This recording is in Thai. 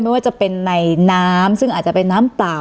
ไม่ว่าจะเป็นในน้ำซึ่งอาจจะเป็นน้ำเปล่า